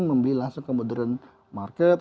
membeli langsung ke modern market